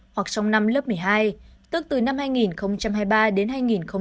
hoặc trong năm lớp một mươi hai tức từ năm hai nghìn hai mươi ba đến hai nghìn hai mươi ba